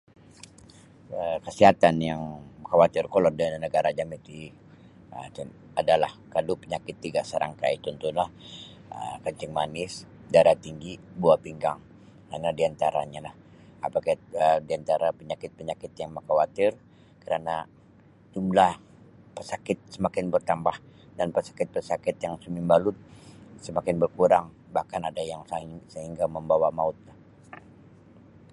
um kasiatan yang makawatir kolod da nagara' jami ti um cun adalah kandu panyakit tiga serangkai cuntuhnyo um kancing manis, darah tinggi', buah pinggang ino di antaranyolah apa kit di antara panyakit-panyakit yang makawatir kerana' jumlah pesakit semakin bertambah dan pesakit-pesakit yang sumimbalut semakin berkurang bahkan ada yang sain sehingga mambawa maut.